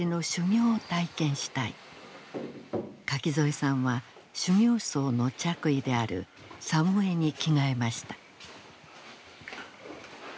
垣添さんは修行僧の着衣である作務衣に着替えました。